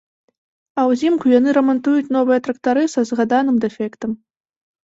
А узімку яны рамантуюць новыя трактары са згаданым дэфектам.